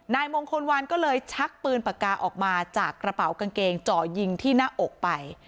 นายมงคลวันก็เลยชักปืนปากกาออกมาจากกระเป๋ากางเกงเจาะยิงที่หน้าอกไป